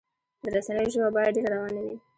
د رسنیو ژبه باید ډیره روانه وي.